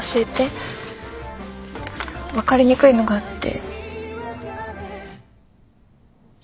分かりにくいのがあって。